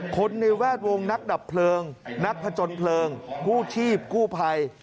คนในแวดวงนักดับเพลิงนักผจญเพลิงกู้ชีพกู้ภัย